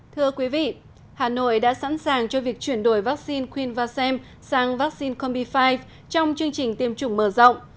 thưa quý vị hà nội đã sẵn sàng cho việc chuyển đổi vaccine khuyênvasem sang vaccine combi fi trong chương trình tiêm chủng mở rộng